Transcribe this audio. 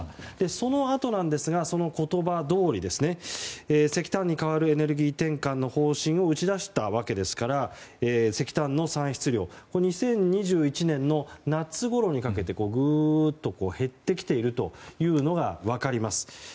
そのあとなんですがその言葉どおり石炭に代わるエネルギー転換の方針を打ち出したわけですから石炭の産出量２０２１年の夏ごろにかけてグーッと減ってきているというのが分かります。